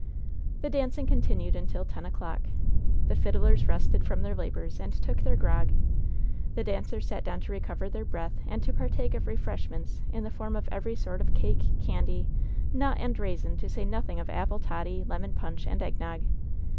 The dancing continued until ten o'clock. The fiddlers rested from their labors and took theii grog. The dancers sat down to recover their breath and t^j partake of refreshments in the form of every sort of cake, candy, nut and raisin, to say nothing of apple toddy, lemon punch and eggnogg.